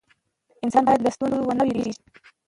انسان باید له ستونزو ونه ویریږي.